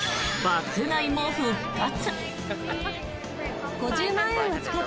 爆買いも復活。